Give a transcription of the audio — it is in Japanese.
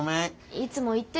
いつも言ってるでしょ。